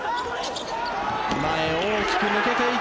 前へ大きく抜けていた。